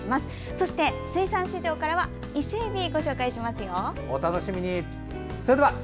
そして水産市場からは伊勢えび、ご紹介しますよ。